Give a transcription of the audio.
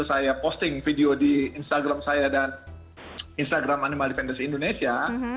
saya posting video di instagram saya dan instagram animal defenders indonesia